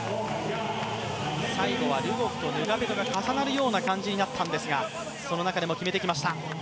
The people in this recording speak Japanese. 最後はルゴフとヌガペトが重なるような感じになったんですがその中でも決めてきました。